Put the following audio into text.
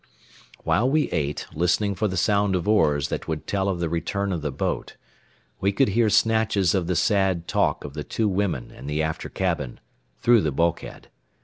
While we ate, listening for the sound of oars that would tell of the return of the boat, we could hear snatches of the sad talk of the two women in the after cabin, through the bulkhead.